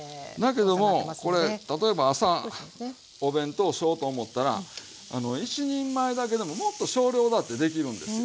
例えば朝お弁当しようと思ったら１人前だけでももっと少量だってできるんですよ。